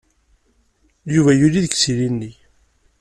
Yuba yuli deg yisili-nni.